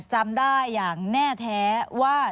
จำได้อย่างแน่แท้ว่า